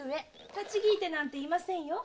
立ち聞いてなんていませんよ。